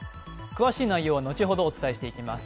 詳しい内容は後ほどお伝えしてまいります。